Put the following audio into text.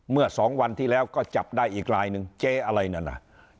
เมื่อสองวันที่แล้วก็จับได้อีกลายหนึ่งเจ๊อะไรนั่นน่ะ